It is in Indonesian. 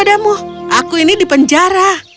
aku di penjara